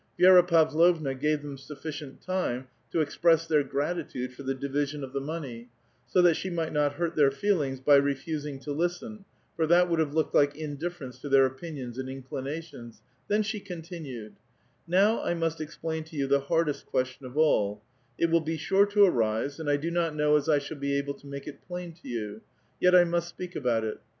Vii^'ra Pavlovna gave them sufficient time to express their gratitude for the division of the money, so that she might not hurt their feelings, b}' refusing to listen, for that would have looked like indifference to their opinions and inclinations ; then she continued :—*' Now I must explain to you the hardest question of all ; it will be sure to arise, and I do not know as I shall be able to make it plain to you. Yet I must speak about it.